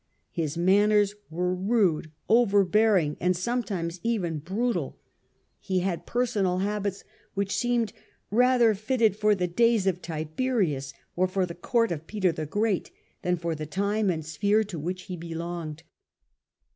His manners were rude, overbearing, and some times even brutal. He had personal habits which seemed rather fitted for the days of Tiberius, or for the court of Peter the Great, than for the time and sphere to which he belonged.